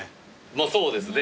まあそうですね。